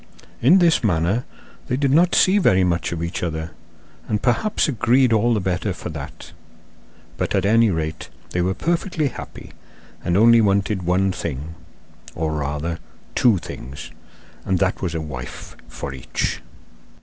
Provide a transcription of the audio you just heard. In this manner they did not see very much of each other and perhaps agreed all the better for that; but at any rate they were perfectly happy, and only wanted one thing, or, rather, two things, and that was a wife for each.